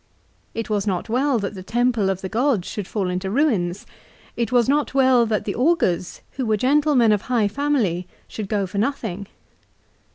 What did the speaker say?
It was not well that the temple of the gods should fall into ruins. It was not well that the augurs, who were gentlemen of high family, should go for nothing.